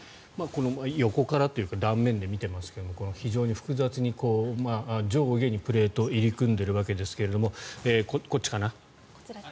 横からというか断面で見てますけども非常に複雑に上下にプレートが入り組んでいるわけですがこっちかな。